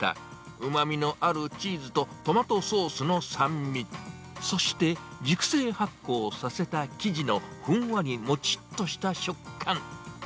うまみのあるチーズとトマトソースの酸味、そして、熟成発酵させた生地のふんわりもちっとした食感。